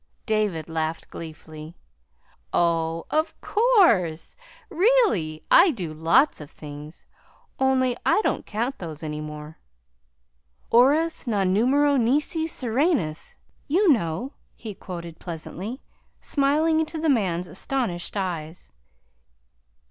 David laughed gleefully. "Oh, of course, REALLY I do lots of things, only I don't count those any more. 'Horas non numero nisi serenas,' you knew," he quoted pleasantly, smiling into the man's astonished eyes.